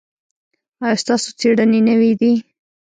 ایا ستاسو څیړنې نوې دي؟